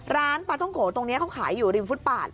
ร้านปลาท่องโกะตรงนี้เขาขายอยู่ริมฟุตปาด